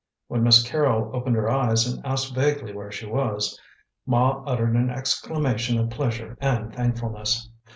When Miss Carrol opened her eyes and asked vaguely where she was, Ma uttered an exclamation of pleasure and thankfulness.